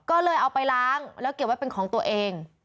ก็เลยเอาไปล้างแล้วเก็บไว้เป็นของตัวเอง